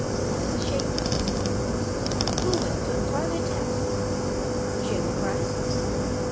"Eliza Shaeffer." Who went to a private house? Jennie Brice?